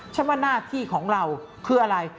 ฉันว่าหน้าที่ของเราคืออะไร